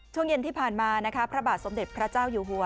ช่วงเย็นที่ผ่านมานะคะพระบาทสมเด็จพระเจ้าอยู่หัว